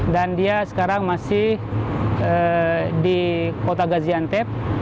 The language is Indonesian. dan dia sekarang masih di kota gaziantep